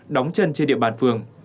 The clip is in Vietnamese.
đóng chân trên địa bàn phường